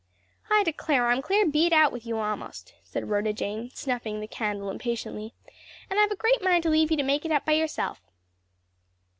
"I declare I'm clear beat out with you a'most," said Rhoda Jane, snuffing the candle impatiently; "and I've a great mind to leave you to make it up by yourself."